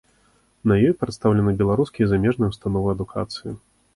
На ёй прадстаўлены беларускія і замежныя ўстановы адукацыі.